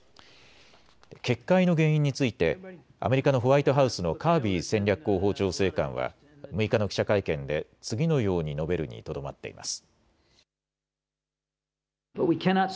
決壊の原因についてアメリカのホワイトハウスのカービー戦略広報調整官は６日の記者会見で次のように述べるにとどまっています。